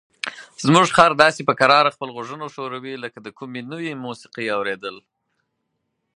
زموږ خر داسې په کراره خپل غوږونه ښوروي لکه د کومې نوې موسیقۍ اوریدل.